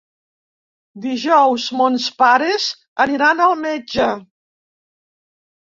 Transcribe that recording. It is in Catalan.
Dijous mons pares aniran al metge.